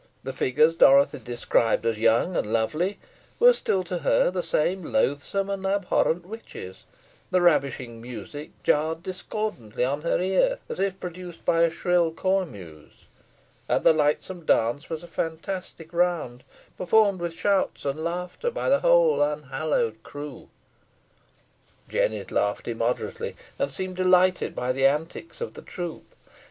The figures Dorothy described as young and lovely, were still to her the same loathsome and abhorrent witches; the ravishing music jarred discordantly on her ear, as if produced by a shrill cornemuse; and the lightsome dance was a fantastic round, performed with shouts and laughter by the whole unhallowed crew. Jennet laughed immoderately, and seemed delighted by the antics of the troop.